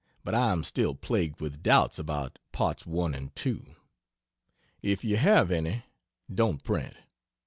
But I am still plagued with doubts about Parts 1 and 2. If you have any, don't print.